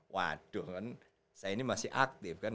waduh kan saya ini masih aktif kan